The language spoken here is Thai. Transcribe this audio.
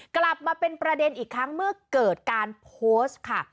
กลับมาเป็นประเด็นอีกครั้งเมื่อเกิดการโพสต์ค่ะ